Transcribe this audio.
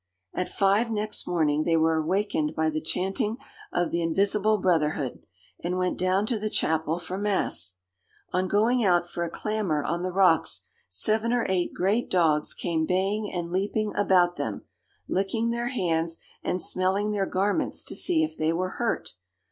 At five next morning they were wakened by the chanting of the invisible brotherhood, and went down to the chapel for mass. On going out for a clamber on the rocks, seven or eight great dogs came baying and leaping about them, licking their hands and smelling their garments to see if they were hurt.